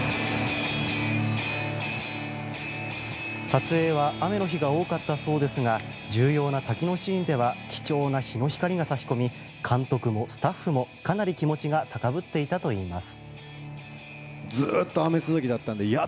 撮影は雨の日が多かったそうですが重要な滝のシーンでは貴重な日の光が差し込み監督もスタッフもかなり気持ちが高ぶっていたといいます。